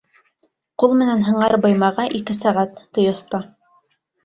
— Ҡул менән һыңар быймаға ике сәғәт, — ти оҫта.